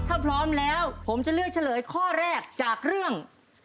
ถ้าพร้อมแล้วผมจะเลือกเฉลยข้อแรกจากเรื่อง